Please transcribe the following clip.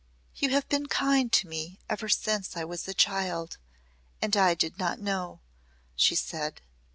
"You have been kind to me ever since I was a child and I did not know," she said.